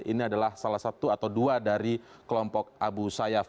ini adalah salah satu atau dua dari kelompok abu sayyaf